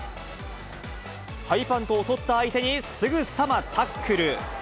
ハイパントを取った相手にすぐさまタックル。